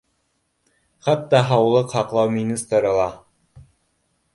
Хатта һаулыҡ һаҡлау министры ла